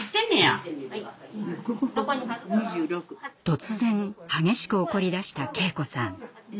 突然激しく怒りだした敬子さん。